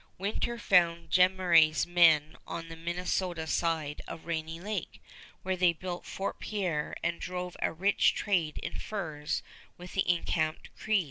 Winter found Jemmeraie's men on the Minnesota side of Rainy Lake, where they built Fort Pierre and drove a rich trade in furs with the encamped Crees.